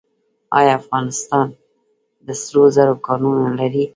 آیا افغانستان د سرو زرو کانونه لري؟